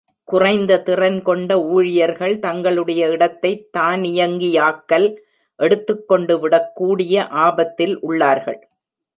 குறைந்த திறன் கொண்ட ஊழியர்கள், தங்களுடைய இடத்தைத் தானியங்கியாக்கல் எடுத்துக்கொண்டுவிடக்கூடிய ஆபத்தில் உள்ளார்கள்.